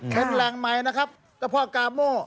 เป็นแหล่งใหม่นะครับเจ้าพ่อกาโม่